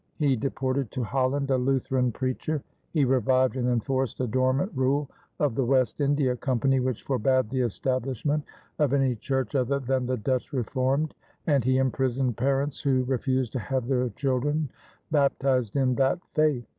He deported to Holland a Lutheran preacher; he revived and enforced a dormant rule of the West India Company which forbade the establishment of any church other than the Dutch Reformed; and he imprisoned parents who refused to have their children baptized in that faith.